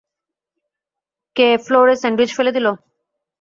কে ফ্লোরে স্যান্ডউইচ ফেলে দিলো?